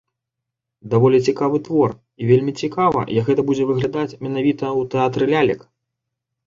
Даволі цікавы твор, і вельмі цікава, як гэта будзе выглядаць менавіта ў тэатры лялек.